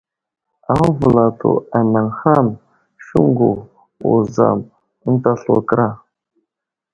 Aməvəlsto anay ham : Siŋgu, Wuzam ənta slu kəra.